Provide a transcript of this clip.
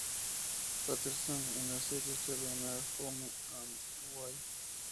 Patterson en la serie australiana "Home and Away".